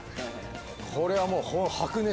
これはもう白熱！